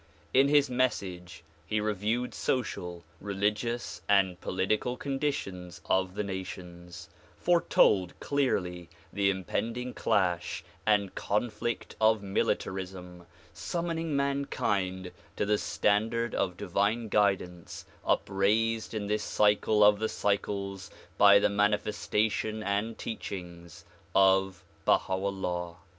In his message he re viewed social, religious and political conditions of the nations, fore told clearly the impending clash and conflict of militarism, sum moning mankind to the standard of divine guidance upraised in this cycle of the cycles by the manifestation and teachings of Baha 'Ullah.